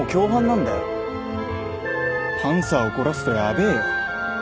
パンサー怒らすとやべえよ。